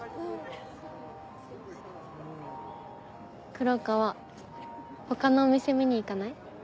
黒川他のお店見に行かない？